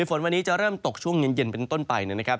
ฝนวันนี้จะเริ่มตกช่วงเย็นเป็นต้นไปนะครับ